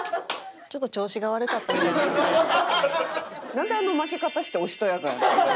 なんであの負け方しておしとやかやねん。